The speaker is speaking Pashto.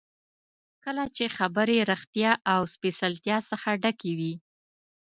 کله چې خبرې ریښتیا او سپېڅلتیا څخه ډکې وي.